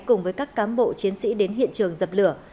cùng với các cám bộ chiến sĩ đến hiện trường dập lửa